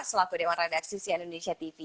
selaku dewan redaksi sian indonesia tv